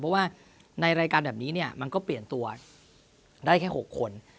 เพราะว่าในรายการแบบนี้เนี่ยมันก็เปลี่ยนตัวได้แค่๖คน